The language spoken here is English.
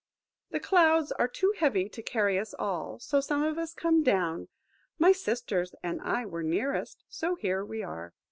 The clouds are too heavy to carry us all, so some of us come down. My sisters and I were nearest, so here we are.